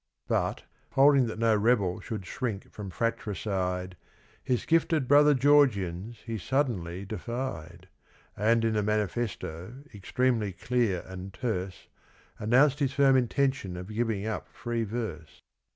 But, holding that no rebel should shrink from fratricide, His gifted brother Georgians he suddenly defied, And in a manifesto extremely clear and terse Announced his firm intention of giving up free verse.